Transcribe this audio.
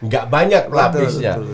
gak banyak lapisnya